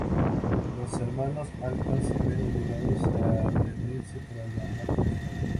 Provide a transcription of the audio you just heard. Los hermanos Altman se ven obligados a reunirse tras la muerte de su padre.